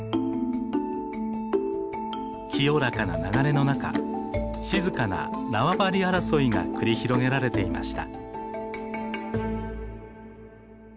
清らかな流れの中静かな縄張り争いが繰り広げられていました。